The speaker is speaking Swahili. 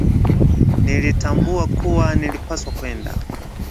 Nilitambua kuwa nilipaswa kwenda